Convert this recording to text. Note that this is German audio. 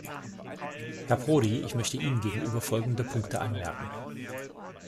Herr Prodi, ich möchte Ihnen gegenüber folgende Punkte anmerken.